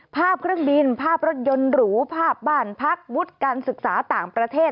ภาพเครื่องบินภาพรถยนต์หรูภาพบ้านพักวุฒิการศึกษาต่างประเทศ